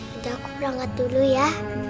udah aku berangkat dulu ya